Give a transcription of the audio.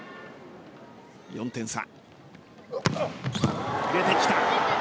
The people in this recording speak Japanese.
４点差。